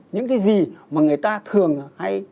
những cái gì mà người ta thường hay